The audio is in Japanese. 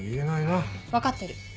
うん。分かってる。